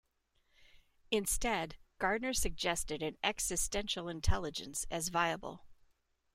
Instead, Gardner suggested an "existential intelligence" as viable.